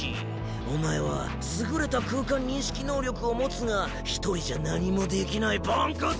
お前は「優れた空間認識能力を持つが１人じゃ何もできないポンコツだ」って！